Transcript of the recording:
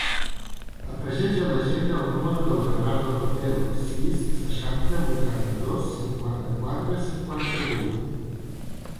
Afegeix a l'agenda el número del Leonardo Cotelo: sis, seixanta, vuitanta-dos, cinquanta-quatre, cinquanta-vuit.